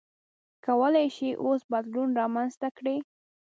کولای شئ اوس بدلون رامنځته کړئ.